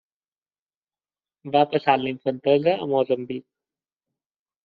Va passar la infantesa a Moçambic.